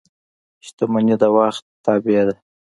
• شتمني د وخت تابع ده.